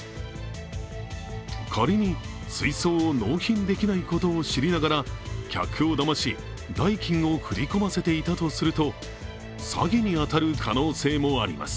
仮に水槽を納品できないことを知りながら客をだまし、代金を振り込ませていたとすると詐欺に当たる可能性もあります。